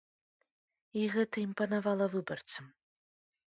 І гэта імпанавала выбарцам.